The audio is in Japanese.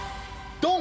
ドン！